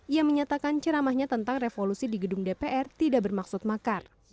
ia menyatakan ceramahnya tentang revolusi di gedung dpr tidak bermaksud makar